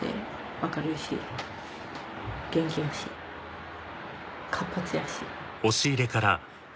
明るいし元気やし活発やし。